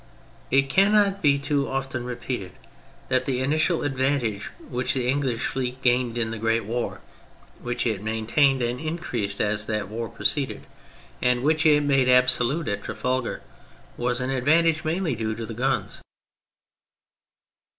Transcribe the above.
It cannot be too often repeated that the initial advantage which the English fleet gained in the great war, which it maintained and increased as that war proceeded, and which it made absolute at Trafalgar, was an ad vantage mainly due to the guns.